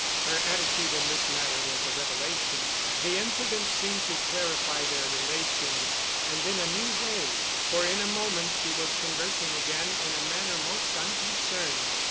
Her attitude in this matter was a revelation. The incident seemed to clarify their relations and in a new way, for in a moment she was conversing again in a manner most unconcerned.